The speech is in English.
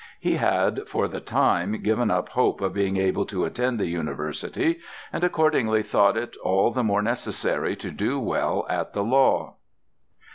He had, for the time, given up hope of being able to attend the university, and accordingly thought it all the more necessary to do well at the law.